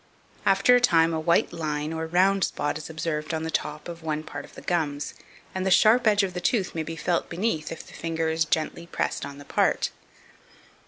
After a time, a white line or round spot is observed on the top of one part of the gums, and the sharp edge of the tooth may be felt beneath if the finger is gently pressed on the part.